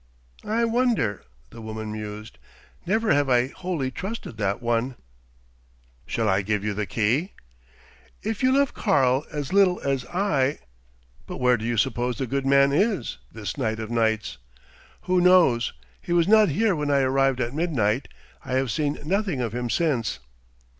"I wonder," the woman mused. "Never have I wholly trusted that one." "Shall I give you the key?" "If you love Karl as little as I...." "But where do you suppose the good man is, this night of nights?" "Who knows? He was not here when I arrived at midnight. I have seen nothing of him since."